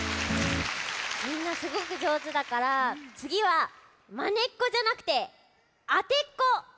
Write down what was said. みんなすごくじょうずだからつぎはマネっこじゃなくてあてっこをやるよ。